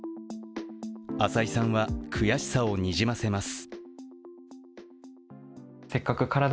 浅井さんは、悔しさをにじませます。